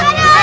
pak pak pak